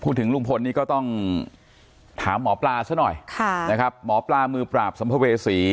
ถึงลุงพลนี่ก็ต้องถามหมอปลาซะหน่อยค่ะนะครับหมอปลามือปราบสัมภเวษี